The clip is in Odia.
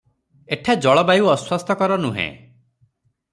ଏଠା ଜଳବାୟୁ ଅସ୍ୱାସ୍ଥ୍ୟକର ନୁହେ ।